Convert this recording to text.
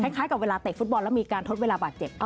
กับเวลาเตะฟุตบอลแล้วมีการทดเวลาบาดเจ็บ